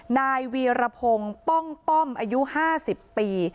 นายวีรพงศ์ป้องป้อมอายุ๕๐ปี